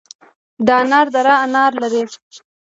د انار دره انار لري